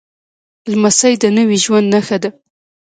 لمسی د نوي ژوند نښه ده.